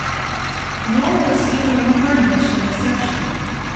Nor was Elam Harnish an exception.